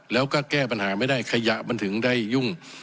แล้วก็แก้ปัญหาไม่ได้ขยะมันถึงได้ยุ่ง